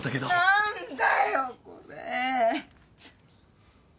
何だよこれ。